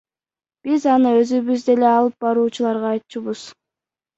Биз аны өзүбүз деле алып баруучуларга айтчубуз.